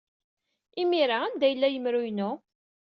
I imir-a, anda yella yemru-inu?